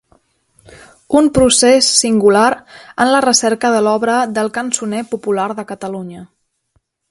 Un procés singular en la recerca de l'Obra del Cançoner Popular de Catalunya.